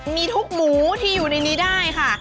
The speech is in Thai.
มีทุกหมูที่อยู่ในนี้ได้ค่ะ